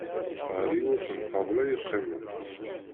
Ɣer yiwet n ṭṭabla i qqiment.